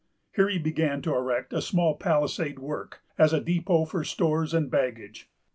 Here he began to erect a small palisade work, as a depot for stores and baggage.